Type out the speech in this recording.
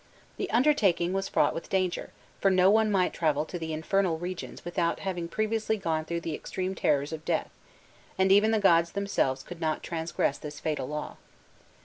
The undertaking was fraught with danger, for no one might travel to the infernal regions without having previously gone through the extreme terrors of death, and even the gods themselves could not transgress this fatal law.